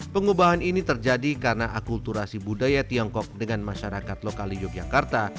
pengubahan ini terjadi karena akulturasi budaya tiongkok dengan masyarakat lokal di yogyakarta